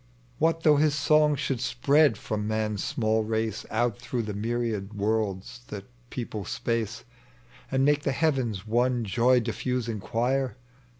35 What thongli his song should spread from man's small race Out through the myriad worlds that people space, And make the heavens one joy diffusifig choir ?